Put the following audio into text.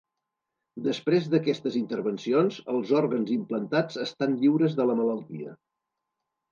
Després d’aquestes intervencions, els òrgans implantats estan lliures de la malaltia.